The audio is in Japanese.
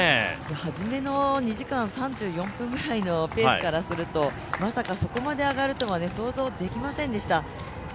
はじめの２時間３４分ぐらいのペースからするとまさかそこまで上がるとは想像できませんでした。